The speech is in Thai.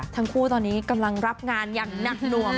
ทั้งคู่ตอนนี้กำลังรับงานอย่างหนักหน่วง